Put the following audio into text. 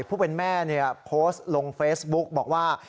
ผู้เป็นแม่โพสต์ลงเฟซบุ๊กบอกว่า